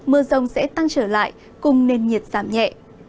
mưa rông sẽ tăng trở lại cùng nền nhiệt giảm nhẹ